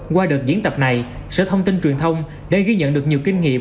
qua đợt diễn tập này sở thông tin truyền thông đã ghi nhận được nhiều kinh nghiệm